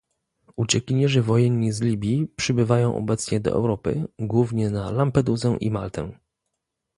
Uciekinierzy wojenni z Libii przybywają obecnie do Europy, głównie na Lampedusę i Maltę